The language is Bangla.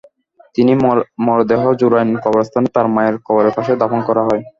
তাঁর মরদেহ জুরাইন কবরস্থানে তাঁর মায়ের কবরের পাশে দাফন করা হয়।